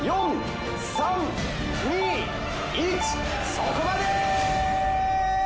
そこまで！